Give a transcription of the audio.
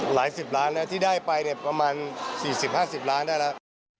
หลายสิบล้านแล้วที่ได้ไปประมาณ๔๐๕๐ล้านได้แล้ว